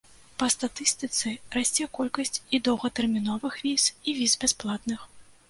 Па статыстыцы, расце колькасць і доўгатэрміновых віз, і віз бясплатных.